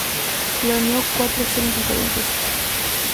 Planeó cuatro acciones diferentes.